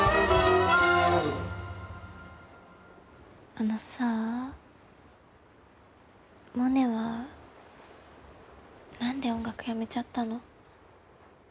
あのさあモネは何で音楽やめちゃったの？